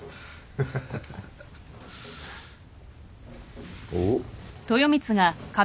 ハハハ！おっ。